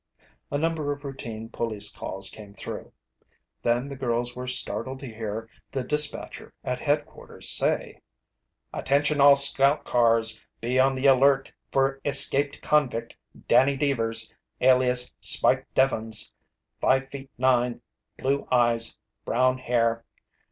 A number of routine police calls came through. Then the girls were startled to hear the dispatcher at headquarters say: "Attention all scout cars! Be on the alert for escaped convict, Danny Deevers alias Spike Devons. Five feet nine, blue eyes, brown hair.